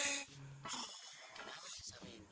kenapa cak samin